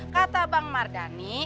kata bang mardani